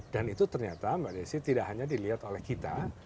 dan itu ternyata mbak desi tidak hanya dilihat oleh kita